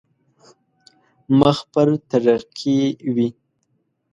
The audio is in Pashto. مخ پر ترقي وي.